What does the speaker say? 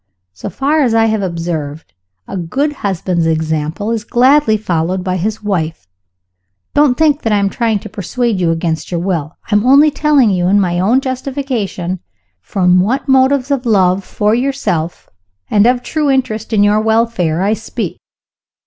So far as I have observed, a good husband's example is gladly followed by his wife. Don't think that I am trying to persuade you against your will! I am only telling you, in my own justification, from what motives of love for yourself, and of true interest in your welfare, I speak.